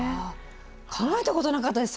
考えたことなかったです